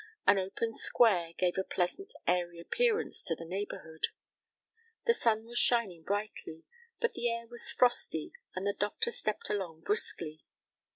An open square gave a pleasant, airy appearance to the neighborhood. The sun was shining brightly, but the air was frosty, and the doctor stepped along briskly.